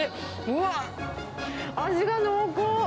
うわっ、味が濃厚。